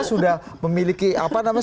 sudah memiliki apa namanya